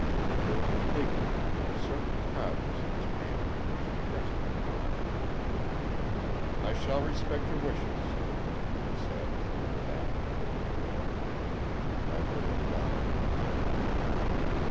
There was a dignity and a certain proudness in his manner which impressed me much. "I shall respect your wishes, sir!" I said as I went back and opened the door. I heard him lock it behind me.